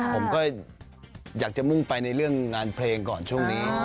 ผมก็อยากจะมุ่งไปในเรื่องงานเพลงก่อนช่วงนี้